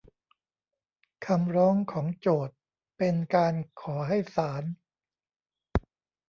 คำร้องของโจทก์ เป็นการขอให้ศาล